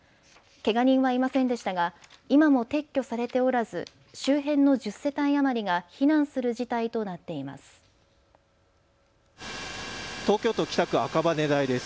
けが人はいませんでしたが今も撤去されておらず周辺の１０世帯余りが避難する事態となっています。